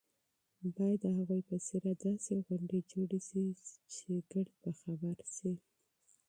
باید د هغوی په سیرت داسې پروګرامونه جوړ شي چې ټول پرې پوه شي.